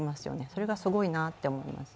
それがすごいなって思います。